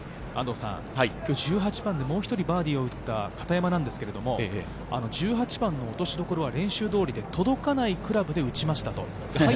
１８番でもう１人バーディーを打った片山ですが、１８番の落としどころは練習通りで、届かないクラブで打ちましたと。